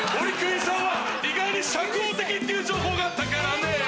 意外に社交的っていう情報があったからね。